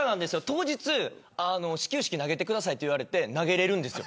当日、始球式投げてくださいと言われて投げれるんです。